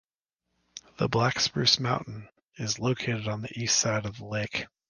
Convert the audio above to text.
The "Black Spruce Mountain" is located on the east side of the lake.